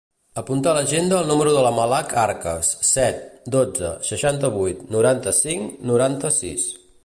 Apunta a l'agenda el número de la Malak Arcas: set, dotze, seixanta-vuit, noranta-cinc, noranta-sis.